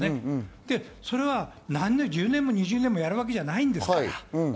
それを１０年も２０年もやるわけではないですから。